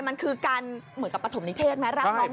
มันคือการเหมือนกับปฐมนิเทศนะ